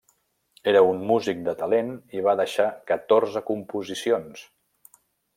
Era un músic de talent i va deixar catorze composicions.